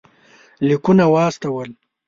لیکونه واستول.